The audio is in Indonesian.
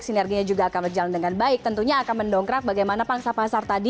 sinerginya juga akan berjalan dengan baik tentunya akan mendongkrak bagaimana pangsa pasar tadi